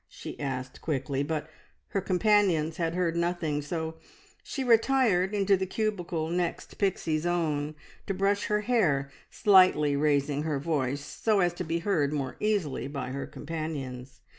she asked quickly; but her companions had heard nothing, so she retired into the cubicle next Pixie's own to brush her hair, slightly raising her voice, so as to be heard more easily by her companions.